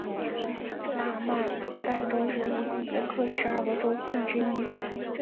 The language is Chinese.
纳曼干州是乌兹别克十二个州份之一。